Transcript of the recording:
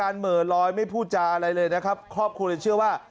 เหม่อลอยไม่พูดจาอะไรเลยนะครับครอบครัวเลยเชื่อว่า